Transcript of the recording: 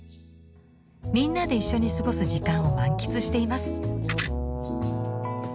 みんなで一緒に過ごす時間を満喫しています。